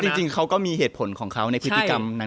จริงเขาก็มีเหตุผลของเขาในพฤติกรรมนั้น